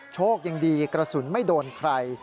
โชคยังดีกระสุนไม่โดนใคร